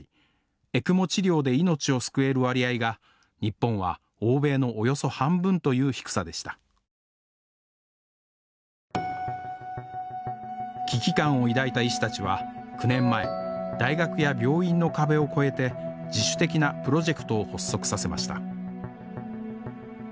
ＥＣＭＯ治療で命を救える割合が日本は欧米のおよそ半分という低さでした危機感を抱いた医師たちは９年前大学や病院の壁を越えて自主的なプロジェクトを発足させました